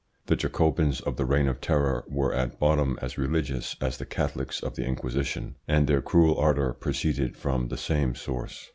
The Jacobins of the Reign of Terror were at bottom as religious as the Catholics of the Inquisition, and their cruel ardour proceeded from the same source.